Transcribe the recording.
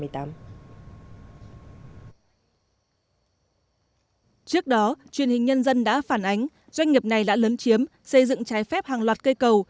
trước đó truyền hình nhân dân đã phản ánh doanh nghiệp này đã lớn chiếm xây dựng trái phép hàng loạt cây cầu